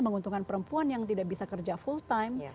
menguntungkan perempuan yang tidak bisa kerja full time